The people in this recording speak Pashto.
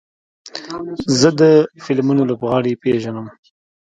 زه د فلمونو لوبغاړي پیژنم.